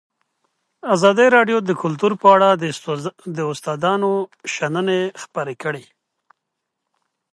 ازادي راډیو د کلتور په اړه د استادانو شننې خپرې کړي.